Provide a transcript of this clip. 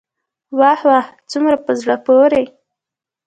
واه واه څومره په زړه پوري.